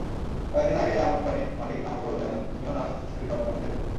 কয়েক দিন আগে আমার কোম্পানির মালিক আমাকে বললেন, তুমিও নানা স্বেচ্ছাসেবী কর্মকাণ্ডে যুক্ত।